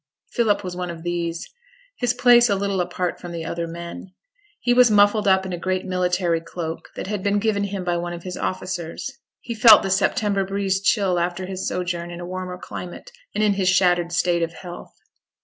Philip was one of these; his place a little apart from the other men. He was muffled up in a great military cloak that had been given him by one of his officers; he felt the September breeze chill after his sojourn in a warmer climate, and in his shattered state of health.